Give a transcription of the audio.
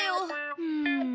うん。